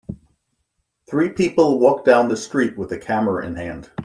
Three people walk down the street with a camera in hand.